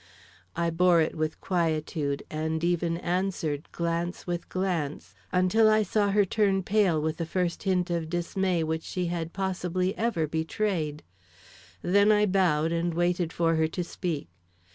I bore it with quietude, and even answered glance with glance, until I saw her turn pale with the first hint of dismay which she had possibly ever betrayed; then I bowed and waited for her to speak.